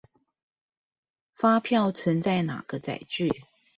發票存在哪個載具